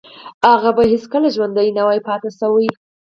هغه به هیڅکله ژوندی نه و پاتې شوی